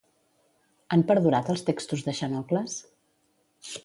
Han perdurat els textos de Xenocles?